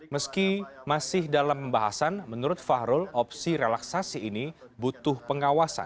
meski masih dalam pembahasan menurut fahrul opsi relaksasi ini butuh pengawasan